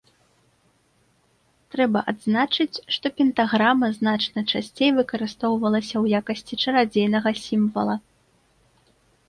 Трэба адзначыць, што пентаграма значна часцей выкарыстоўвалася ў якасці чарадзейнага сімвала.